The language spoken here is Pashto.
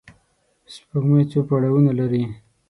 سپوږمۍ څو پړاوونه لري